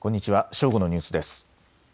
正午のニュースです。